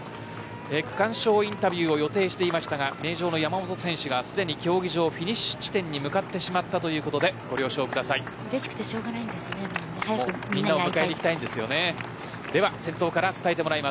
区間賞インタビューを予定していましたが名城の山本選手がすでにフィニッシュ地点に向かってしまったということでうれしくてでは先頭から伝えてもらいます